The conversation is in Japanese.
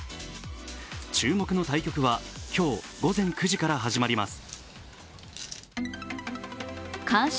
注目の対局は今日午前９時から始まります。